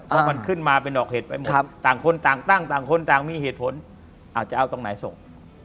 เพราะมันขึ้นมาเป็นดอกเห็ดไปหมดต่างคนต่างตั้งต่างคนต่างมีเหตุผลอาจจะเอาตรงไหนส่ง